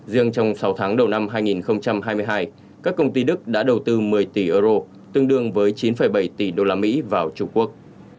riêng trong sáu tháng đầu năm hai nghìn hai mươi hai các công ty đức đã đầu tư một mươi tỷ euro tương đương với chín bảy tỷ usd vào trung quốc